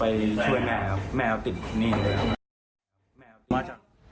ไปช่วยแม่ครับแม่ติดหนี้ด้วยครับ